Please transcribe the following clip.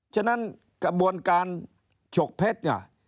ฉะนั้นกระบวนการโจรกรรมเพชร